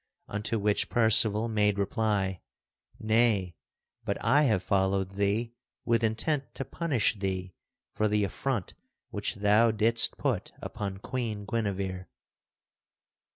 Unto which Percival made reply: "Nay, but I have followed thee with intent to punish thee for the affront which thou didst put upon Queen Guinevere."